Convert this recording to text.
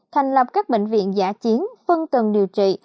thành lập các bệnh viện giả chiến phân tầng điều trị